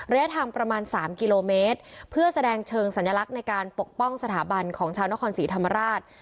ระยะทางประมาณ๓กิโลเมตรเพื่อแสดงเชิงสัญลักษณ์ในการปกป้องสถาบันของชาวนครศรีธรรมราช